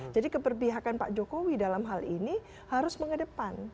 jadi keperbihakan pak jokowi dalam hal ini harus mengedepan